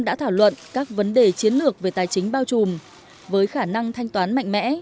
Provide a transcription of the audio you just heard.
đã thảo luận các vấn đề chiến lược về tài chính bao trùm với khả năng thanh toán mạnh mẽ